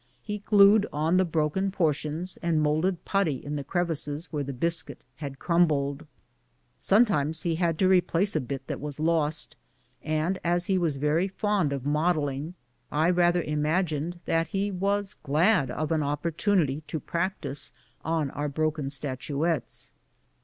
He glued on the broken portions and moulded putty in the crevices where the biscuit had crumbled. Sometimes he had to replace a bit that was lost, and, as he was very fond of modelling, I rather imagined that he was glad of an opportunity to practise on our broken statuettes. 8* 178 BOOTS AND SADDLES.